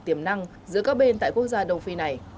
tiềm năng giữa các bên tại quốc gia đông phi này